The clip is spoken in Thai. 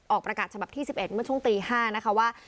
ประกาศฉบับที่๑๑เมื่อช่วงตี๕นะคะว่า